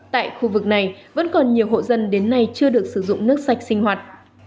tại khu vực này vẫn còn nhiều hộ dân đến nay chưa được sử dụng nước sạch sinh hoạt